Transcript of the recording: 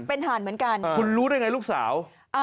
เป็นห่านเหมือนกันคุณรู้ได้ไงลูกสาว